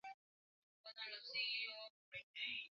vichafuzi kadhaa Inaandaa nafasi ya mataifa kuzungumzia sera na